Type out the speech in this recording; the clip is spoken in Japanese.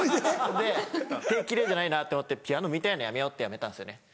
で手奇麗じゃないなって思ってピアノ向いてないなやめようってやめたんですよね。